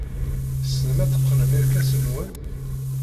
Tessnem ad teqqnem irkasen-nwen?